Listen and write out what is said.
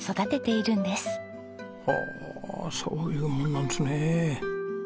はあそういうもんなんですね。